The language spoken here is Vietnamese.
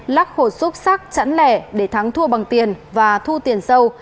lắc hột xúc sắc chẳng lẻ để thắng thua bằng tiền và thu tiền sâu